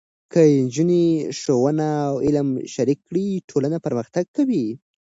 که نجونې ښوونه او علم شریک کړي، ټولنه پرمختګ کوي.